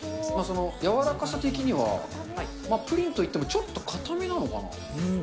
柔らかさ的には、プリンといってもちょっと硬めなのかな。